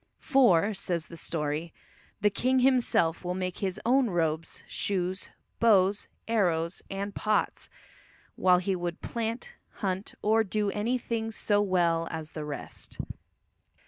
"For," says the story, "the king himself will make his own robes, shoes, bows, arrows, and pots," while he would "plant, hunt, or do any thing so well as the rest."